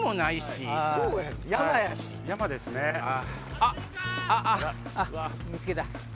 あっ！見つけた。